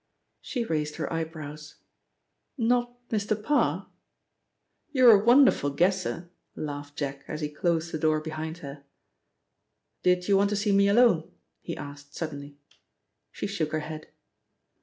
She raised her eyebrows. "Not Mr. Parr?" "You're a wonderful guesser," laughed Jack as he closed the door behind her. "Did you want to see me alone?" he asked suddenly. She shook her head.